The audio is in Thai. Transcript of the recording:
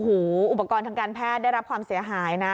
โอ้โหอุปกรณ์ทางการแพทย์ได้รับความเสียหายนะ